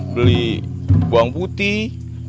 beli bawang putih